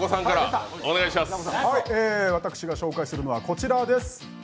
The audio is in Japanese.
私が紹介するのはこちらです。